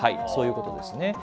そういうことですね。